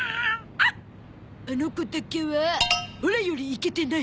あの子だけはオラよりイケてない！